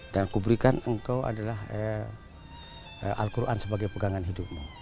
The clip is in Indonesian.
dan kuberikan engkau adalah al quran sebagai pegangan hidupmu